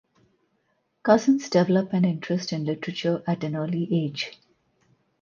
Cousins develop an interest in literature at an early age.